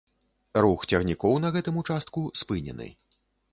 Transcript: Рух цягнікоў на гэтым участку спынены.